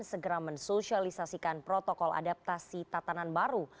segera mensosialisasikan protokol adaptasi tatanan baru